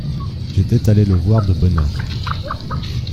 J’étais allé le voir de bonne heure.